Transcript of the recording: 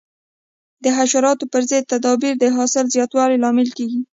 د حشراتو پر ضد تدابیر د حاصل زیاتوالي لامل کېږي.